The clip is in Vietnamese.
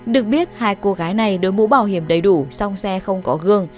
được biết hai cô gái này đối mũ bảo hiểm đầy đủ song xe không có gương